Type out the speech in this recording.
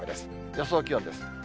予想気温です。